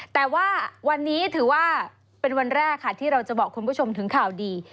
แต่ว่าวันนี้ถือว่าเป็นวันแรกค่ะที่เราจะบอกคุณผู้ชมถึงข่าวดี